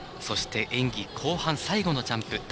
そして、演技後半最後のジャンプ。